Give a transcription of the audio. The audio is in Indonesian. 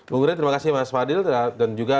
bung gray terima kasih mas fadil dan juga